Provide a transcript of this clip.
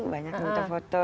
banyak untuk foto